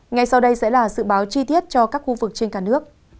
ngay sau đây sẽ là dự báo chi tiết cho các khu vực trên cả nước